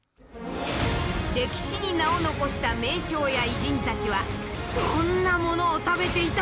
歴史に名を残した名将や偉人たちはどんなものを食べていたのか。